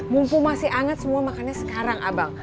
mumpu masih anget semua makannya sekarang abang